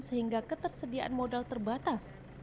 sehingga ketersediaan modal terbatas